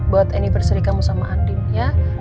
buat anniversary kamu sama andi ya